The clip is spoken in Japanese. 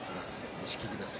錦木です。